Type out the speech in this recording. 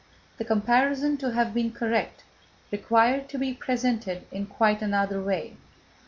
The comparison, to have been correct, required to be presented in quite another way.